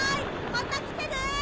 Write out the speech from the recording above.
またきてね！